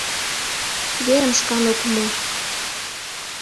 Верым шкан ок му —